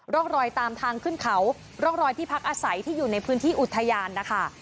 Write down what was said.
ร่องรอยตามทางขึ้นเขาร่องรอยที่พักอาศัยที่อยู่ในพื้นที่อุทยานนะคะ